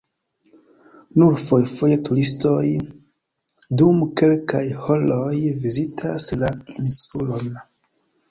Nur fojfoje turistoj dum kelkaj horoj vizitas la insulon.